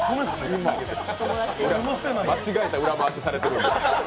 間違えた裏回しされてる。